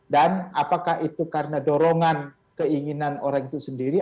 dan apakah itu karena dorongan keinginan orang itu sendiri